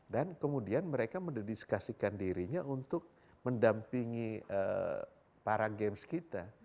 dan kemudian mereka mendiskusikan dirinya untuk mendampingi para games kita